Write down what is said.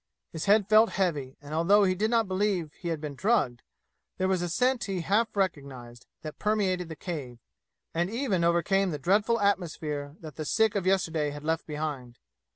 His head felt heavy, and although he did not believe he had been drugged, there was a scent he half recognized that permeated the cave, and even overcame the dreadful atmosphere that the sick of yesterday had left behind.